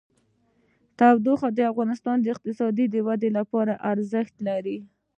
تودوخه د افغانستان د اقتصادي ودې لپاره ارزښت لري.